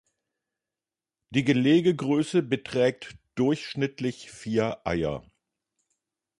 Die Gelegegröße beträgt durchschnittlich vier Eier.